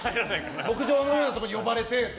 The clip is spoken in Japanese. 牧場のようなところに呼ばれてって。